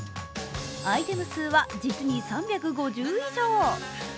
アイテム数は実に３５０以上。